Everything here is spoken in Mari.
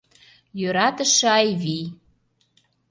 Йӧратыше Айвий!